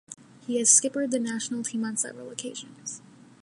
He has skippered the national team on several occasions.